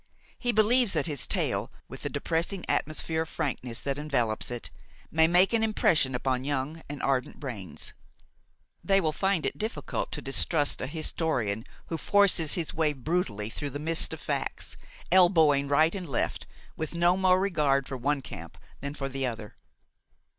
He believes that his tale, with the depressing atmosphere of frankness that envelopes it, may make an impression upon young and ardent brains. They will find it difficult to distrust a historian who forces his way brutally through the midst of facts, elbowing right and left, with no more regard for one camp than for the other.